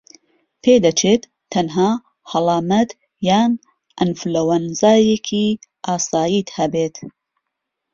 پێدەچێت تەنها هەڵامەت یان ئەنفلەوەنزایەکی ئاساییت هەبێت